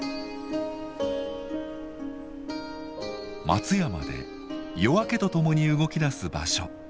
松山で夜明けとともに動きだす場所。